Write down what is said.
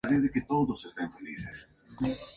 Trabajó hasta el último momento.